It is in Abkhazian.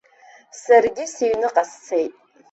Саргьы сыҩныҟа сцеит.